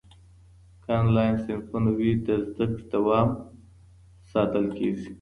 که انلاین صنفونه وي، د زده کړې دوام ساتل کېږي.